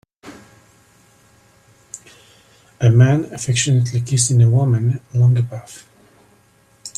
A man affectionately kissing a woman along a path